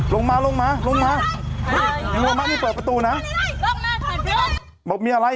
ลงมาลงมาลงมายังลงมาไม่เปิดประตูนะบอกมีอะไร